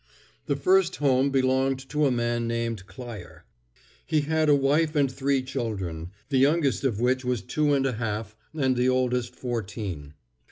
The first home belonged to a man named Klier. He had a wife and three children, the youngest of which was two and a half and the oldest fourteen.